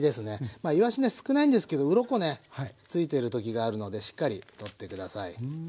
まあいわしね少ないんですけどウロコねついてる時があるのでしっかり取って下さい。